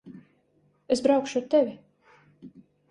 Es braukšu ar tevi.